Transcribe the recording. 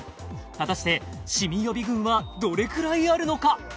果たしてシミ予備軍はどれくらいあるのか？